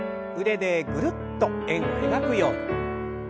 腕でぐるっと円を描くように。